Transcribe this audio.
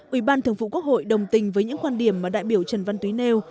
ủy ban thường vụ quốc hội đồng tình với những quan điểm mà đại biểu trần văn túy nêu